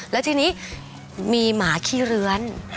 แล้วทีนี้มีหมาขี้เลื้อน